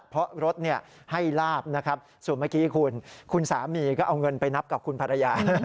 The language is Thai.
เพราะรถให้ลาบนะครับส่วนเมื่อกี้คุณคุณสามีก็เอาเงินไปนับกับคุณภรรยา